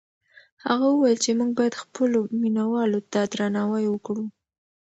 هغه وویل چې موږ باید خپلو مینه والو ته درناوی وکړو.